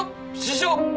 師匠！